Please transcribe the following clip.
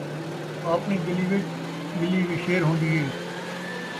آپݨی ڳلی وچ ٻلی وی شیر ہوندی اے